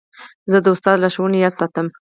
زه د استاد لارښوونې یاد ساتم.